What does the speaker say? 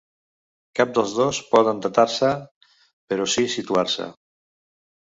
Cap dels dos poden datar-se, però sí situar-se.